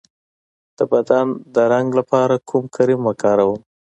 د بدن د رنګ لپاره کوم کریم وکاروم؟